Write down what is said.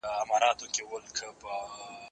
زه هره ورځ درسونه اورم